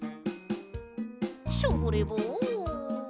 ショボレボン。